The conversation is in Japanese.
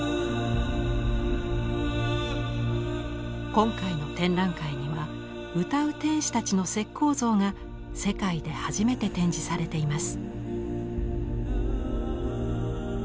今回の展覧会には「歌う天使たち」の石こう像が世界で初めて展示されています。